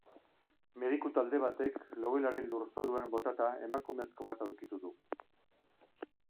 Mediku talde batek logelaren lurzoruan botata emakumezko bat aurkitu du.